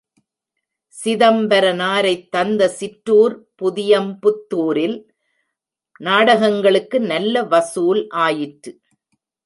சிதம்பரனரைத் தந்த சிற்றூர் புதியம்புத்தூரில் நாடகங்களுக்கு நல்ல வசூல் ஆயிற்று.